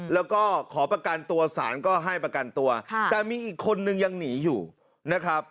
แล้วก็ขอประกันตัวสารก็ให้ประกันตัวแต่มีอีกคนนึงยังหนีอยู่นะครับ